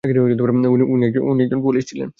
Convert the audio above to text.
উনি একজন পুলিশ ছিলেন।